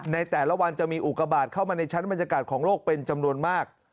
ในแต่ละวันจะมีอุกบาทเข้ามาในชั้นบรรยากาศของโลกเป็นจำนวนมาก